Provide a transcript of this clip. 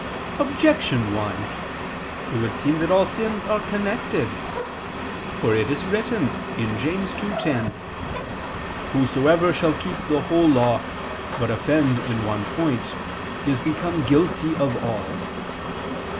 Objection 1: It would seem that all sins are connected. For it is written (James 2:10): "Whosoever shall keep the whole Law, but offend in one point, is become guilty of all."